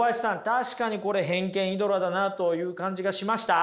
確かにこれ偏見イドラだなという感じがしました？